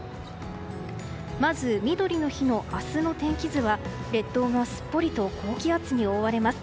まずみどりの日の明日の天気図は列島がすっぽりと高気圧に覆われます。